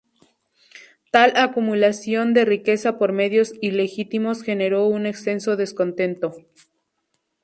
Tal acumulación de riqueza por medios ilegítimos generó un extenso descontento.